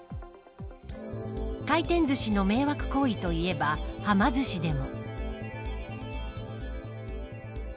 回転ずしの迷惑行為と言えばはま寿司でも。